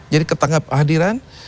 jadi ketanggap hadiran